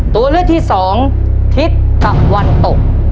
ตัวเลือกที่สองทิศตะวันตก